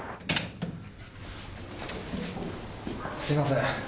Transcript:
すみません。